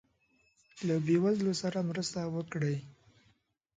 له یی وزلو سره مرسته وکړي